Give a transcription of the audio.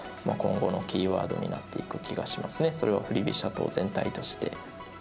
それは振り飛車党全体として。